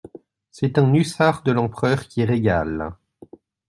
C'est un hussard de l'Empereur qui régale!